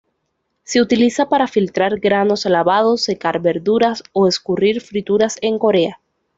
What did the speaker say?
Se utiliza para filtrar granos lavados, secar verduras, o escurrir frituras en Corea.